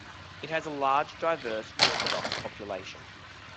It has a large, diverse Orthodox population.